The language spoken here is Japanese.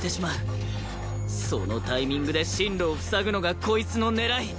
そのタイミングで進路を塞ぐのがこいつの狙い